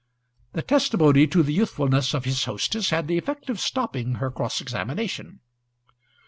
This testimony to the youthfulness of his hostess had the effect of stopping her cross examination.